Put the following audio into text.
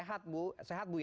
sehat bu sehat bu ya